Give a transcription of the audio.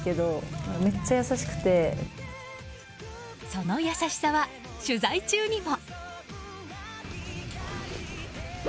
その優しさは、取材中にも。